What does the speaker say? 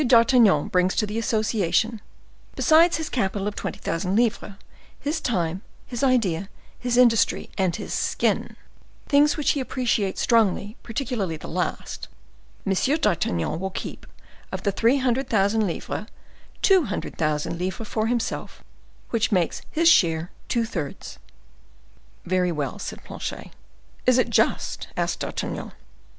d'Artagnan brings to the association, besides his capital of twenty thousand livres, his time, his idea, his industry, and his skin,—things which he appreciates strongly, particularly the last,—M. d'Artagnan will keep, of the three hundred thousand livres, two hundred thousand livres for himself, which will make his share two thirds." "Very well," said Planchet. "Is it just?" asked D'Artagnan.